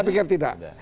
saya pikir tidak